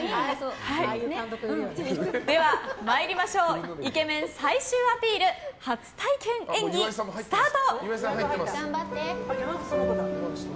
では、イケメン最終アピール初体験演技スタート！